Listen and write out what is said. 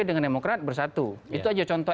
dengan demokrat bersatu itu aja contoh